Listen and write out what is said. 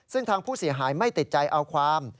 ซึ่งทางผู้เสียหายไม่ติดใจเอาความ